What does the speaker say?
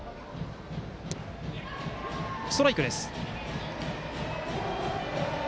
ストライクです。